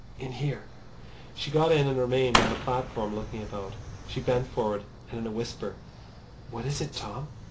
"In here." She got in, and he remained on the platform looking about. She bent forward, and in a whisper: "What is it, Tom?